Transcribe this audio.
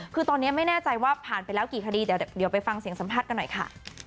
คือตอนนี้ไม่แน่ใจว่าผ่านไปแล้วกี่คดีเดี๋ยวไปฟังเสียงสัมภาษณ์กันหน่อยค่ะ